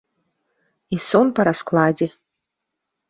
І сон па раскладзе.